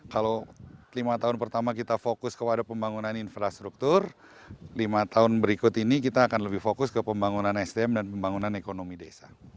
kalau lima tahun pertama kita fokus kepada pembangunan infrastruktur lima tahun berikut ini kita akan lebih fokus ke pembangunan sdm dan pembangunan ekonomi desa